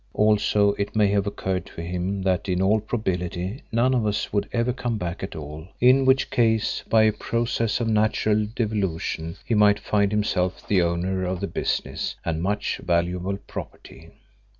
Also it may have occurred to him that in all probability none of us would ever come back at all, in which case by a process of natural devolution, he might find himself the owner of the business and much valuable property.